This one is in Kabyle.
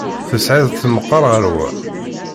Tesɛiḍ-t meqqer ɣer wa?